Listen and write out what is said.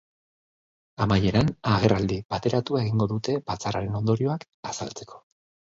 Amaieran, agerraldi bateratua egingo dute batzarraren ondorioak azaltzeko.